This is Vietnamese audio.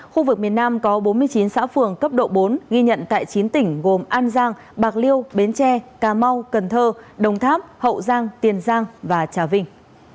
khu vực miền nam có bốn mươi chín xã phường cấp độ bốn ghi nhận tại chín tỉnh gồm an giang bạc liêu bến tre cà mau cần thơ đồng tháp hậu giang tiền giang và trà vinh